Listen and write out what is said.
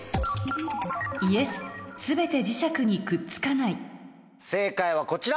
全て磁石にくっつかない正解はこちら。